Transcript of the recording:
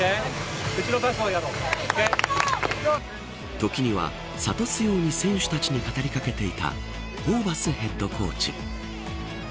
時には諭すように選手たちに語りかけていたホーバスヘッドコーチ。